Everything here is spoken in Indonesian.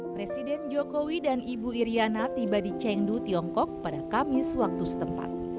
presiden jokowi dan ibu iryana tiba di chengdu tiongkok pada kamis waktu setempat